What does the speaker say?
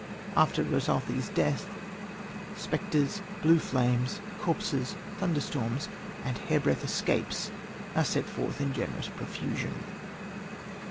After Rosalthe's death, spectres, blue flames, corpses, thunderstorms and hairbreadth escapes are set forth in generous profusion.